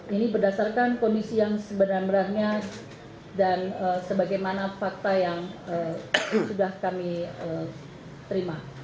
ini berdasarkan kondisi yang sebenarnya dan sebagaimana fakta yang sudah kami terima